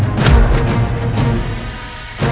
atau tentang kakaknya